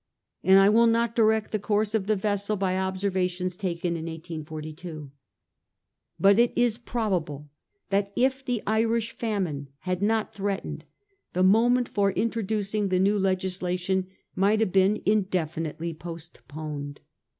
... I will not direct the course of the vessel by observations taken in 1842.' But it is probable that if the Irish famine had not threatened, the moment for introducing the new le gislation might have been indefinitely postponed.